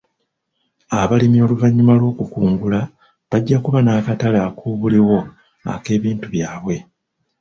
Abalima oluvannyuma lw'okukungula bajja kuba n'akatale ak'obuliwo ak'ebintu byabwe.